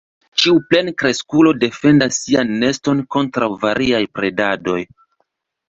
Ĉiu plenkreskulo defendas sian neston kontraŭ variaj predantoj.